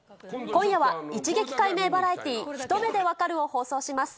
今夜は一撃解明バラエティ、ひと目でわかる！を放送します。